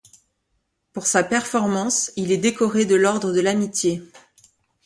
Pour sa performance, il est décoré de l'Ordre de l'Amitié.